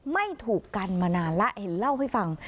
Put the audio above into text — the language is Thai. ไม่ถูกกันมานานแล้วเห็นเล่าให้ฟัง